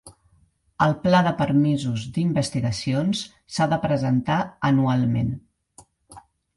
El pla de permisos d'investigacions s'ha de presentar anualment.